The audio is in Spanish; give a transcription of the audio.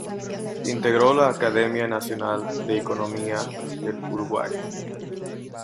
Integró la Academia Nacional de Economía del Uruguay.